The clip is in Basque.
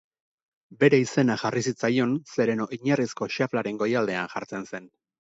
Bere izena jarri zitzaion zeren oinarrizko xaflaren goialdean jartzen zen.